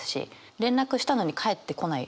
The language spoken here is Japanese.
連絡したのに返ってこない。